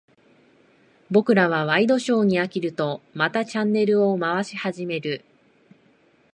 僕らはワイドショーに飽きると、またチャンネルを回し始める。